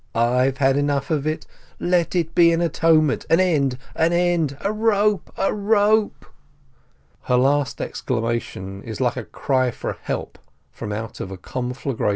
I've had enough of it! Let it be an atonement ! An end, an end ! A rope, a rope !!" Her last exclamation is like a cry for help from out of a conflagration.